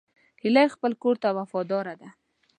هیلۍ خپل کور ته وفاداره ده